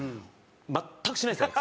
全くしないんですよ